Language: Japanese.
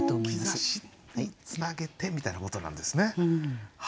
それを「兆し」につなげてみたいなことなんですね。